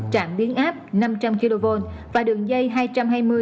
trạm biến áp năm trăm linh kv và đường dây hai trăm hai mươi kv trên năm trăm linh kv